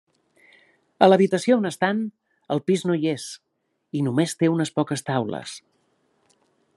A l'habitació on estan, el pis no hi és, i només té unes poques taules.